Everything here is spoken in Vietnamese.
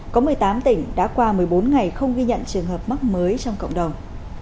có một mươi tám tỉnh đã qua một mươi bốn ngày không ghi nhận trường hợp mắc mới trong cộng đồng